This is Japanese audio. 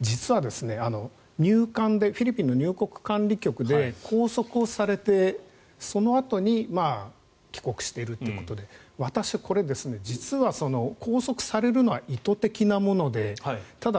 実はフィリピンの入国管理局で拘束をされて、そのあとに帰国しているということで私はこれ、実は拘束されるのは意図的なものでただ